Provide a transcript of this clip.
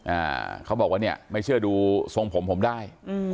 อ่าเขาบอกว่าเนี่ยไม่เชื่อดูทรงผมผมได้อืม